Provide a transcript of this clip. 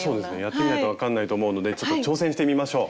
やってみないとわかんないと思うのでちょっと挑戦してみましょう。